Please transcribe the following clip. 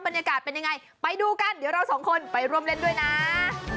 บรรยากาศเป็นยังไงไปดูกันเดี๋ยวเราสองคนไปร่วมเล่นด้วยนะ